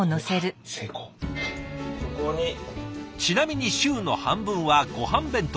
ちなみに週の半分はごはん弁当。